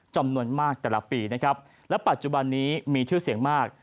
แต่ละปีนะครับและปัจจุบันนี้มีชื่อเสียงมาก